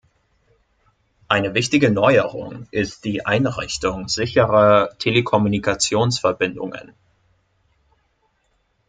Eine wichtige Neuerung ist die Einrichtung sicherer Telekommunikationsverbindungen.